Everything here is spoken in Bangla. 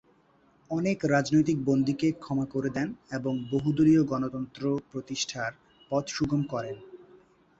অনেক রাজনৈতিক বন্দীকে ক্ষমা করে দেন এবং বহুদলীয় গণতন্ত্র প্রতিষ্ঠার পথ সুগম করেন।